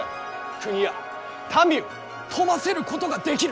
国や民を富ませることができる！